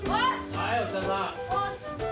はいお疲れさん。